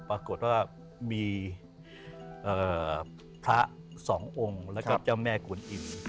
ปรากฏว่ามีพระสององค์แล้วก็เจ้าแม่กวนอิ่ม